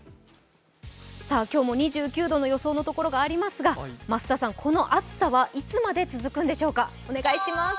今日も２９度の予想のところがありますが増田さん、この暑さはいつまで続くんでしょうか？